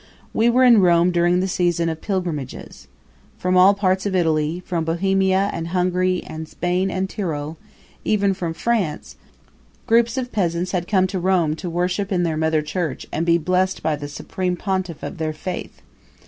We were in Rome during the season of pilgrimages. From all parts of Italy, from Bohemia and Hungary and Spain and Tyrol, and even from France, groups of peasants had come to Rome to worship in their mother church and be blessed by the supreme pontiff of their faith.